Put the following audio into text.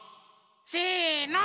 せの！